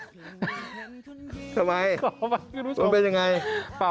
ทำไมมันเป็นอย่างไรขอบันทึกผู้ชม